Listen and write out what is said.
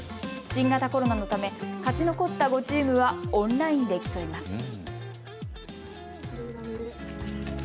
新型コロナのため勝ち残った５チームはオンラインで競います。